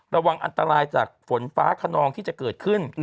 ระวังอันตรายจากฝนฟ้าขนองที่จะเกิดขึ้น